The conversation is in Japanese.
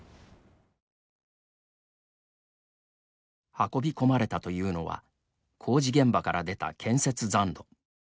運び込まれたというのは工事現場から出た建設残土。